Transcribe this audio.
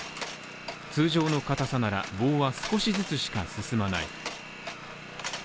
通常の硬さなら棒は少しずつしか進まない。